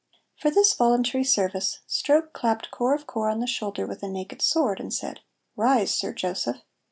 For this voluntary service, Stroke clapped Corp of Corp on the shoulder with a naked sword, and said, "Rise, Sir Joseph!"